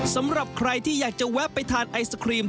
สำหรับใครที่อยากจะแวะไปทานไอศครีม